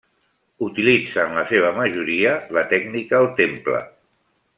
Utilitza en la seva majoria la tècnica al temple.